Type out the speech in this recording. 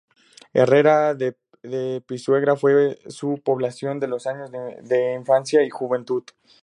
Herrera de Pisuerga fue su población de los años de infancia y juventud.